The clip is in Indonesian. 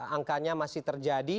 angkanya masih terjadi